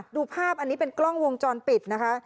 ดูภาพอันนี้เป็นกล้องวงจรปิดนะคะ